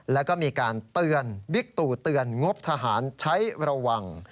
แล้วก็มีการเตือนบิ๊กตู่เตือนงบทหารใช้ระวัง